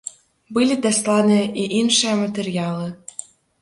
Былі дасланыя і іншыя матэрыялы.